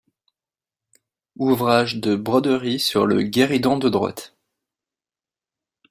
Ouvrage de broderie sur le guéridon de droite.